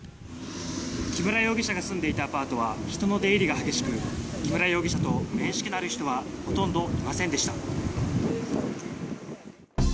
木村容疑者が住んでいたアパートは人の出入りが激しく木村容疑者と面識のある人はほとんどいませんでした。